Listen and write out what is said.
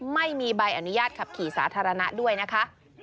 ไม่มีใบอนุญาตขับขี่สาธารณะด้วยนะคะ